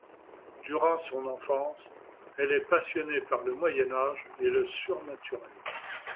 Durant son enfance, elle est passionnée par le Moyen Âge et le surnaturel.